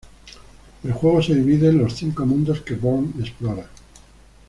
El juego se divide en los cinco mundos que Born explora.